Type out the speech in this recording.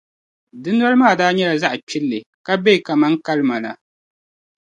Di noli maa daa nyɛla zaɣ’ kpilli, ka be kaman kalima la.